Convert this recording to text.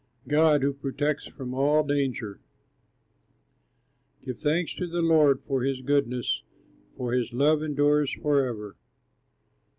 GOD WHO PROTECTS FROM ALL DANGER Give thanks to the Lord, for his goodness, For his love endures forever.